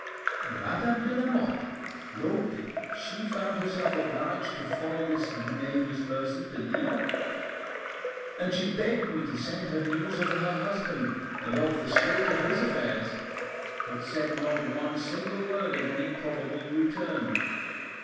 Madame de Lamotte wrote that she found herself obliged to follow this nameless person to Lyons; and she begged me to send her news of her husband and of the state of his affairs, but said not one single word of any probable return.